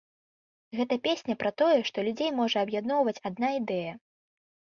Гэта песня пра тое, што людзей можа аб'ядноўваць адна ідэя.